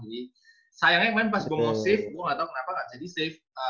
jadi sayangnya kemarin pas gue mau save gue gak tau kenapa gak jadi save